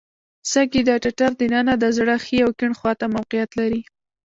سږي د ټټر د ننه د زړه ښي او کیڼ خواته موقعیت لري.